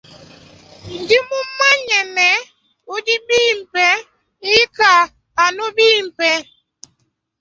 Ndi mumanye ne udi bimpe ika anu bimpe.